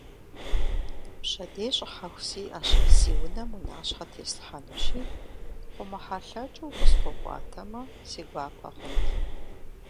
Пщэдей щӀыхьэху сиӀэщ, си унэм унащхьэ теслъхьэнущи, къомыхьэлъэкӀыу укъысхуэкӀуатэмэ, си гуапэ хъунт.